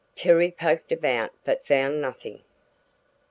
Terry poked about but found nothing.